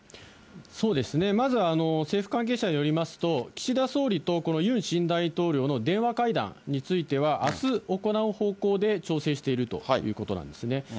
そうですね、まず、政府関係者によりますと、岸田総理と、このユン新大統領の電話会談については、あす行う方向で調整しているということなんですね。